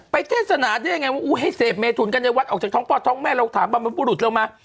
เทศนาได้ยังไงว่าให้เสพเมถุนกันในวัดออกจากท้องพ่อท้องแม่เราถามบรรพบุรุษเรามา